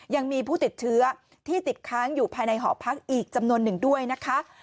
ยังมีผู้ติดเชื้อที่ติดค้างอยู่ภายในหอพักอีกจำนวนหนึ่งด้วยนะคะ